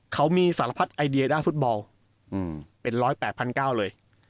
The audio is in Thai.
เขามีสารพัดไอเดียด้านฟุตบอลเป็น๑๐๘๙๐๐เลย